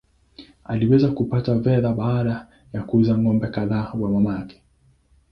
Aliweza kupata fedha baada ya kuuza ng’ombe kadhaa wa mamake.